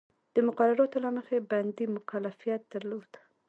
د مقرراتو له مخې بندي مکلفیت درلود.